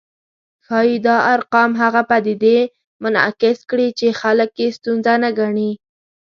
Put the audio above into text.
ښايي دا ارقام هغه پدیدې منعکس کړي چې خلک یې ستونزه نه ګڼي